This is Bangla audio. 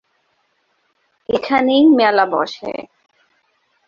এখানেই মেলা বসে।